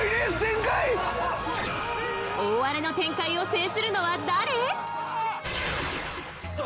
大荒れの展開を制するのは誰？